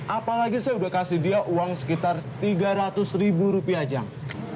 apalagi saya sudah kasih dia uang sekitar tiga ratus ribu rupiah jam